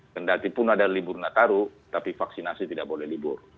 kendatipun ada libur nataru tapi vaksinasi tidak boleh libur